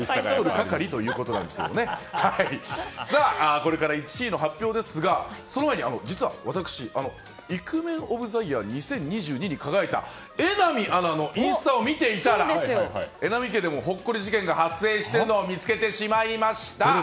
さあ、これから１位の発表ですがその前に実は私イクメンオブザイヤー２０２２に輝いた榎並アナのインスタを見ていたら榎並家でもほっこり事件が発生しているのを見つけてしまいました。